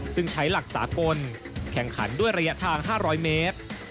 ซึ่งใช้หลักสากลแข่งขันด้วยระยะทาง๕๐๐เมตร